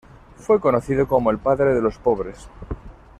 Fue conocido como el "padre de los pobres".